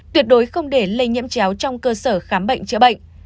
tuyệt đối không để lây nhiễm chéo trong cơ sở khám bệnh chữa bệnh